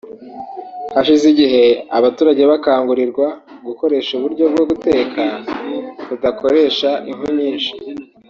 Hashize igihe abaturage bakangurirwa gukoresha uburyo bwo guteka budakoresha inkwi nyinshi